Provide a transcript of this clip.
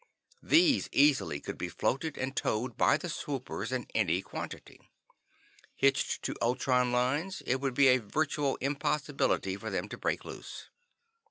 These easily could be floated and towed by the swoopers in any quantity. Hitched to ultron lines, it would be a virtual impossibility for them to break loose.